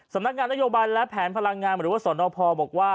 สำนักงานนโยบัณฑ์และแผนพลังงานบริวสรรพบอกว่า